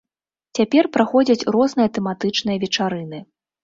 Цяпер праходзяць розныя тэматычныя вечарыны.